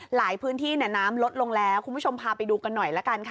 หลายพื้นที่น้ำลดลงแล้วคุณผู้ชมพาไปดูกันหน่อยละกันค่ะ